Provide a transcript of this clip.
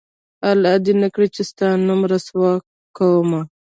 الله دې نه کړي چې ستا نوم رسوا کومه